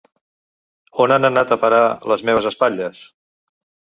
On han anat a parar les meves espatlles?